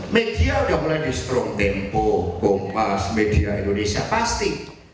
media sudah mulai di stroke tempo kompas media indonesia pasti